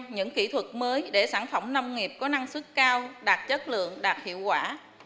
những kỹ thuật mới để sản phẩm nông nghiệp có năng suất cao đạt chất lượng đạt hiệu quả